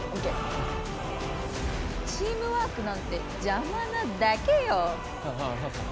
チームワークなんてジャマなだけよ。